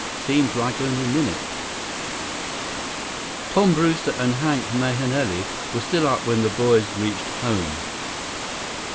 Seems like only minutes." Tom Brewster and Hank Mahenili were still up when the boys reached home.